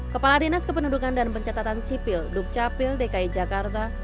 kepala dinas kependudukan dan pencatatan sipil dukcapil dki jakarta